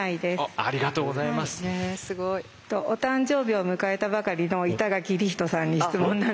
お誕生日を迎えたばかりの板垣李光人さんに質問なんですけど。